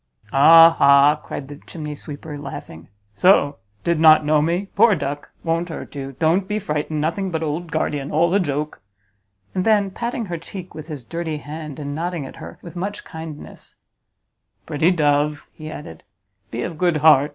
"Ah ha!" cried the chimney sweeper, laughing, "so did not know me? Poor duck! won't hurt you; don't be frightened; nothing but old guardian; all a joke!" And then, patting her cheek with his dirty hand, and nodding at her with much kindness, "Pretty dove," he added, "be of good heart!